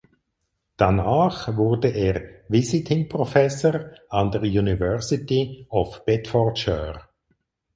Danach wurde er Visiting Professor an der University of Bedfordshire.